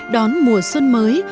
đón mùa xuân mới